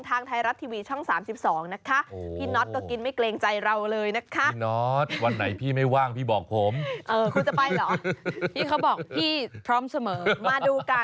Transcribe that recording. ทางไทยรัฐทีวีช่อง๓๒นะคะ